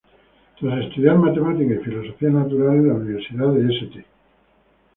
Tras estudiar matemáticas y filosofía natural en la Universidad de St.